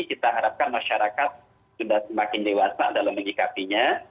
kita harapkan masyarakat sudah semakin dewasa dalam menyikapinya